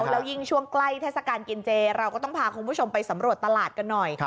แล้วยิ่งช่วงใกล้เทศกาลกินเจเราก็ต้องพาคุณผู้ชมไปสำรวจตลาดกันหน่อย